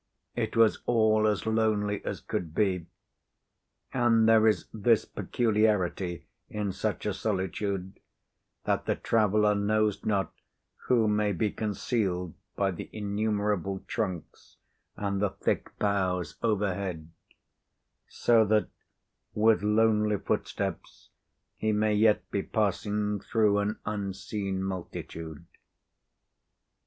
It was all as lonely as could be; and there is this peculiarity in such a solitude, that the traveller knows not who may be concealed by the innumerable trunks and the thick boughs overhead; so that with lonely footsteps he may yet be passing through an unseen multitude.